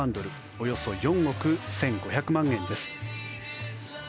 およそ４億１５００万円です。